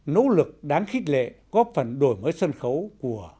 nỗ lực đáng khích lệ góp phần đổi mới sân khấu của